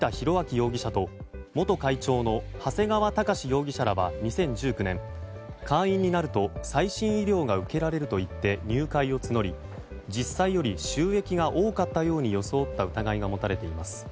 容疑者と元会長の長谷川隆志容疑者らは２０１９年会員になると最新医療が受けられるといって入会を募り、実際より収益が多かったように装った疑いが持たれています。